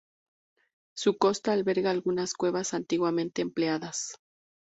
Su costa alberga algunas cuevas antiguamente empleadas.